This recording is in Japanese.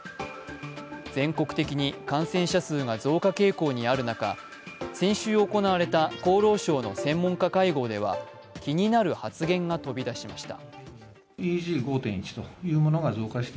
全国的に感染者数が増加傾向にある中先週行われた厚労省の専門家会合では気になる発言が飛び出しました。